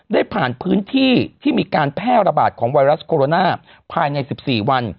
ได้ผ่านพื้นที่ที่มีการแพร่ระบาดของไวรัสโคโรนาภายใน๑๔วัน